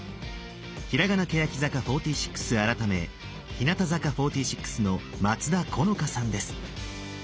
ひらがなけやき坂４６改め日向坂４６の松田好花さんです。